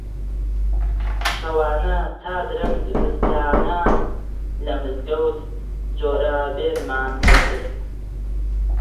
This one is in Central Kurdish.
شەوانە تا درەنگ زستانان لە مزگەوت جۆرابێنمان دەکرد